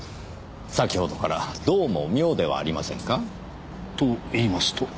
先ほどからどうも妙ではありませんか？と言いますと？